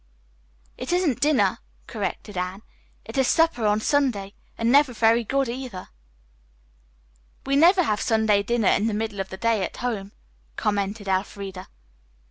"It isn't dinner," corrected Anne. "It is supper on Sunday, and never very good, either." "We never have Sunday dinner in the middle of the day at home," commented Elfreda.